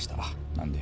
何で？